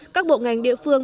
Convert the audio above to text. các bộ ngành địa phương